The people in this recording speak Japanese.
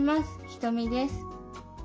ひとみです。